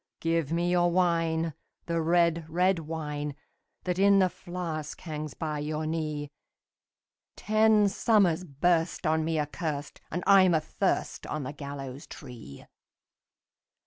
"Give me your wine, the red, red wine, That in the flask hangs by your knee! Ten summers burst on me accurst, And I'm athirst on the gallows tree."